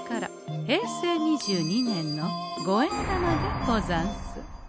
平成２２年の五円玉でござんす。